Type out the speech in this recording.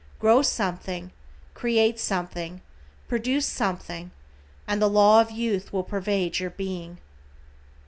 Grow something, create something, produce something and the law of youth will pervade your Being.